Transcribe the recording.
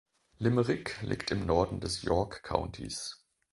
Limerick liegt im Norden des York Countys.